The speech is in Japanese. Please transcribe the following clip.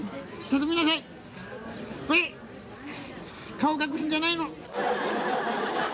顔、隠すんじゃないの。